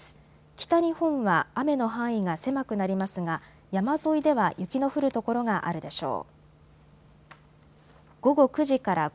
北日本は雨の範囲が狭くなりますが山沿いでは雪の降る所があるでしょう。